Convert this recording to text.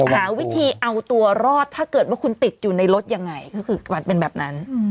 หาวิธีเอาตัวรอดถ้าเกิดว่าคุณติดอยู่ในรถยังไงก็คือมันเป็นแบบนั้น